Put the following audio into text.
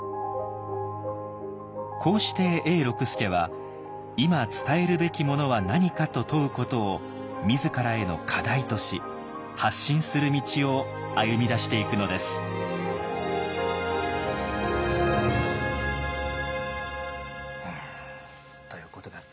こうして永六輔は“いま伝えるべきものは何か”と問うことを自らへの課題とし発信する道を歩みだしていくのです。ということだったわけなんですけれどもね。